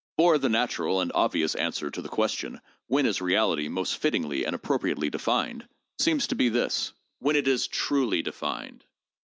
For the natural and obvious answer to the question when is reality most fittingly and appropriately defined, seems to be this : when it is truly defined.